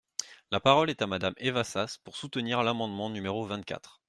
La parole est à Madame Eva Sas, pour soutenir l’amendement numéro vingt-quatre.